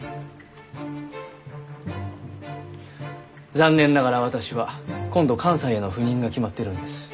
残念ながら私は今度関西への赴任が決まっているんです。